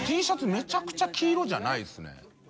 めちゃくちゃ黄色じゃないですね。